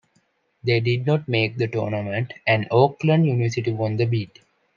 They did not make the tournament, and Oakland University won the bid.